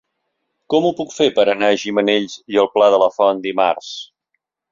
Com ho puc fer per anar a Gimenells i el Pla de la Font dimarts?